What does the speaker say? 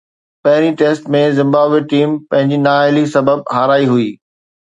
پهرين test ۾ Zimbabwe team پنهنجي نااهلي سبب هارائي هئي.